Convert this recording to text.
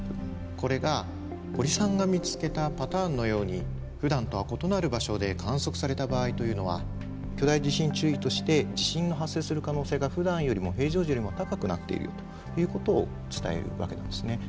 これが堀さんが見つけたパターンのようにふだんとは異なる場所で観測された場合というのは巨大地震注意として地震の発生する可能性がふだんよりも平常時よりも高くなっているよということを伝えるわけなんですね。